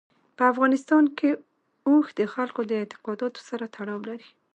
په افغانستان کې اوښ د خلکو د اعتقاداتو سره تړاو لري.